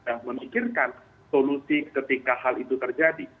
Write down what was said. dan memikirkan solusi ketika hal itu terjadi